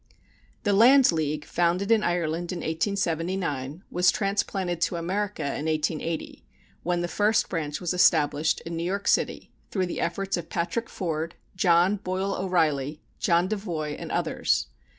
The Land League, founded in Ireland in 1879, was transplanted to America in 1880, when the first branch was established in New York City through the efforts of Patrick Ford, John Boyle O'Reilly, John Devoy, and others.